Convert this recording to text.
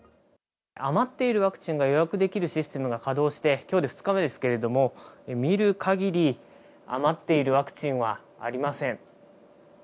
余っているワクチンが予約できるシステムが稼働して、きょうで２日目ですけれども、見るかぎり、余っているワクチンはありません。